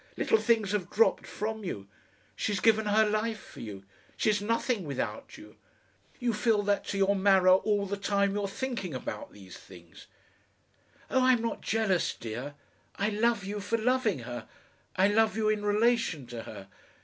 Little things have dropped from you. She's given her life for you; she's nothing without you. You feel that to your marrow all the time you are thinking about these things. Oh, I'm not jealous, dear. I love you for loving her. I love you in relation to her.